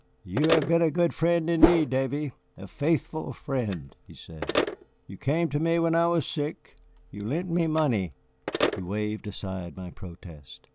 "You have been a good friend indeed, Davy, a faithful friend," he said. "You came to me when I was sick, you lent me money," he waved aside my protest.